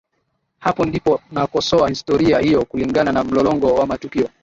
Hapo ndipo nakosoa historia hiyo kulingana na mlolongo wa matukio